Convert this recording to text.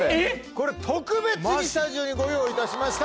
これ特別にスタジオにご用意いたしました。